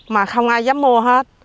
mà không ai dám mua hết